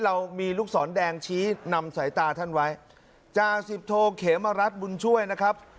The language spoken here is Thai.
เรามีลูกศรแดงชี้นำสายตาท่านไว้จ่าสิบโทเขมรัฐบุญช่วยนะครับ